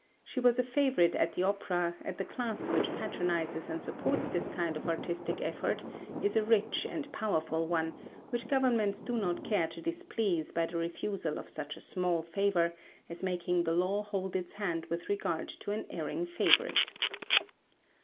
She was a favourite at the opera, and the class which patronises and supports this kind of artistic effort is a rich and powerful one, which governments do not care to displease by the refusal of such a small favour as making the law hold its hand with regard to an erring favourite.